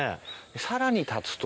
さらにたつと。